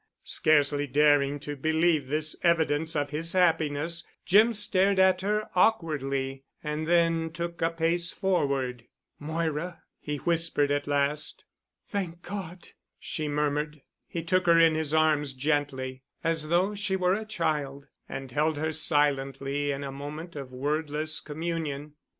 Scarcely daring to believe this evidence of his happiness, Jim stared at her awkwardly, and then took a pace forward. "Moira," he whispered at last. "Thank God," she murmured. He took her in his arms, gently, as though she were a child, and held her silently in a moment of wordless communion.